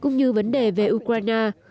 như vấn đề về ukraine